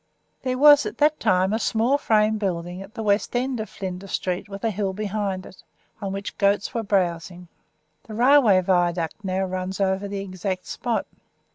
There was at that time a small frame building at the west end of Flinders Street, with a hill behind it, on which goats were browsing; the railway viaduct runs now over the exact spot.